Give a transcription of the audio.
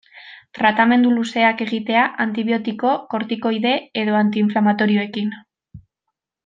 Tratamendu luzeak egitea antibiotiko, kortikoide edo anti-inflamatorioekin.